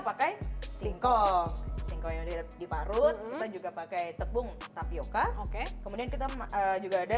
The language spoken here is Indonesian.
pakai singkong singkong yang diparut kita juga pakai tepung tapioca oke kemudian kita juga ada